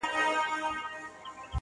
ساقي د میو ډک جامونه په نوبت وېشله!